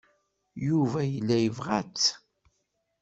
Yuba yella yebɣa-tt.